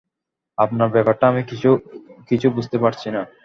আপনার ব্যাপারটা আমি কিছু বুঝতে পারছি না।